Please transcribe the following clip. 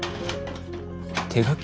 手書き？